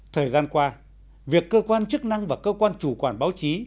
thời gian qua việc cơ quan chức năng và cơ quan chủ quản báo chí